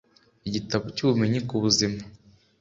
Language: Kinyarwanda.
igitabo cy'ubumenyi ku buzima